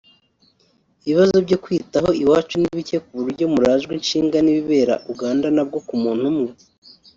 Ibibazo byo kwitaho iwacu ni bike kuburyo murajwe ishinga n’ibibera Uganda nabwo ku muntu umwe